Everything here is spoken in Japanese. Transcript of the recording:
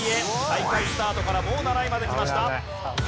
最下位スタートからもう７位まできました。